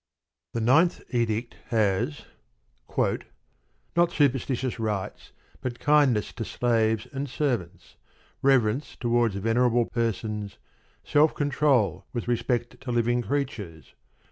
The Ninth Edict has: Not superstitious rites, but kindness to slaves and servants, reverence towards venerable persons, self control with respect to living creatures...